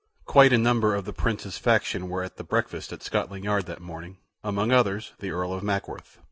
Quite a number of the Prince's faction were at the breakfast at Scotland Yard that morning; among others, the Earl of Mackworth.